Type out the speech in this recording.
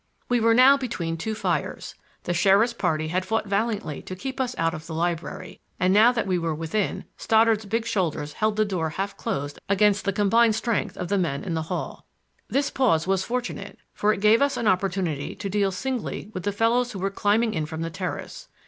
We were now between two fires. The sheriff's party had fought valiantly to keep us out of the library, and now that we were within, Stoddard's big shoulders held the door half closed against the combined strength of the men in the ball. This pause was fortunate, for it gave us an opportunity to deal singly with the fellows who were climbing in from the terrace.